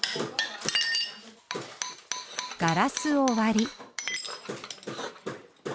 ガラスを割り。